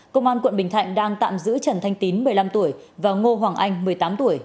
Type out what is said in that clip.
công an quận bình thạnh đang tạm giữ trần thanh tín một mươi năm tuổi và ngô hoàng anh một mươi tám tuổi